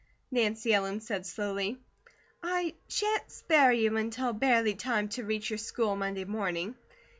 Nancy Ellen said slowly: "I shan't spare you until barely time to reach your school Monday morning.